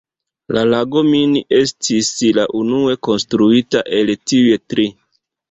La lago Mini estis la unue konstruita el tiuj tri.